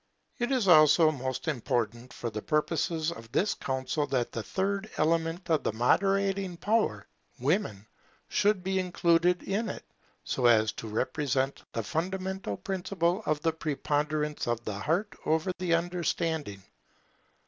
It is also most important for the purposes of this Council that the third element of the moderating power, women, should be included in it, so as to represent the fundamental principle of the preponderance of the heart over the understanding.